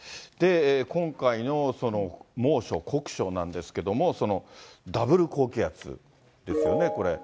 今回の猛暑、酷暑なんですけれども、ダブル高気圧ですよね、これ。